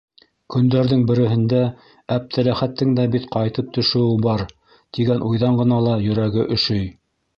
Көндәрҙең береһендә Әптеләхәттең дә бит ҡайтып төшөүе бар, тигән уйҙан ғына ла йөрәге өшөй.